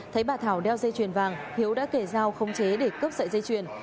thấy bà thảo đeo dây chuyền vàng hiếu đã kể dao khống chế để cướp sợi dây chuyền